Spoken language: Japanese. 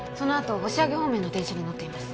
押上方面の電車に乗っています